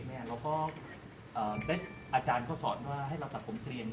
หากได้อาจารย์เขาสอนว่าให้ตอบผมเคลียน